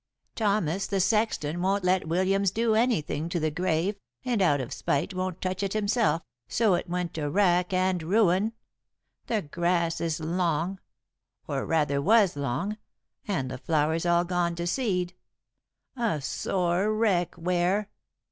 Thomas, the sexton, won't let Williams do anything to the grave, and out of spite won't touch it himself, so it went to rack and ruin. The grass is long or rather was long and the flowers all gone to seed. A sore wreck, Ware."